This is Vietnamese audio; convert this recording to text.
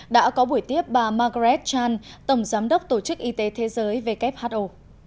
đã có buổi tiếp bà margaret chan tổng giám đốc tổ chức y tế thế giới who